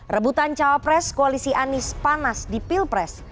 rebutan cawapres koalisi anies panas di pilpres